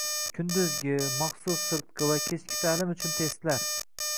Kunduzgi, maxsus sirtqi va kechki ta'lim uchun testlar